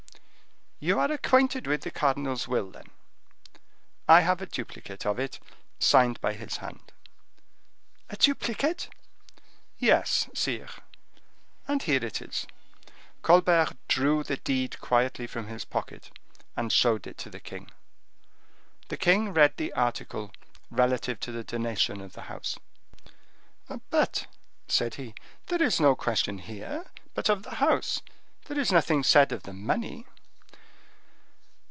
"You are acquainted with the cardinal's will, then?" "I have a duplicate of it, signed by his hand." "A duplicate?" "Yes, sire, and here it is." Colbert drew the deed quietly from his pocket, and showed it to the king. The king read the article relative to the donation of the house. "But," said he, "there is no question here but of the house; there is nothing said of the money."